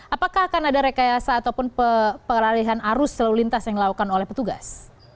apakah akan ada rekayasa ataupun pengalihan arus selalu lintas yang dilakukan oleh petugas